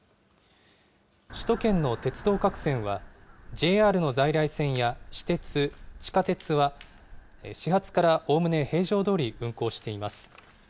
首都圏の鉄道各線は、ＪＲの在来線や私鉄、地下鉄は始発からおおむね平常どおり運行しています。